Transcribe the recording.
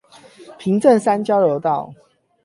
平鎮三交流道